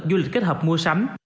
du lịch kết hợp mua sắm